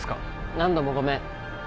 何度もごめん。